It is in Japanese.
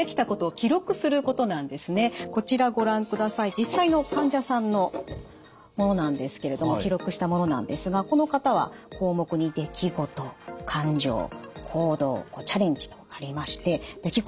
実際の患者さんのものなんですけれども記録したものなんですがこの方は項目に「出来事」「感情」「行動」「チャレンジ」とありまして「出来事」